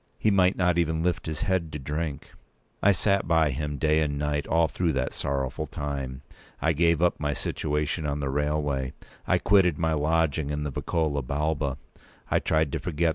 He might not even lift his head to drink. I sat by him day and night all through that sorrowful time. I gave up my situation on the railway; I quitted my lodging in the Vicolo Balba; I tried to forget p.